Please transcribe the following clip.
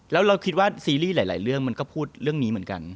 แล้วเราคิดว่าซีรีส์หลายเรื่องมันก็พูดเรื่องนี้เหมือนกัน